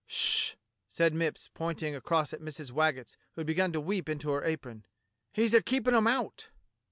Sh!" said Mipps, pointing across at Mrs. Waggetts, who had begun to weep into her apron. "He's a keep in' 'em out."